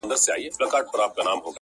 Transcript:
سل غلامه په خدمت کي سل مینځیاني؛